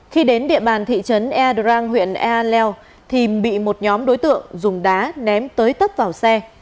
khi đến địa bàn thị trấn eadrang huyện eleo bị một nhóm đối tượng dùng đá ném tới tấp vào xe